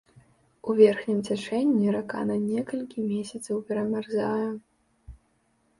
У верхнім цячэнні рака на некалькі месяцаў перамярзае.